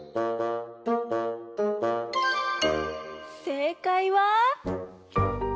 せいかいは！